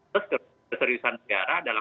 terus keseriusan negara dalam